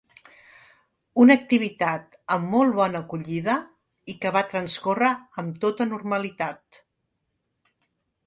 Una activitat amb molt bona acollida i que va transcorre amb tota normalitat.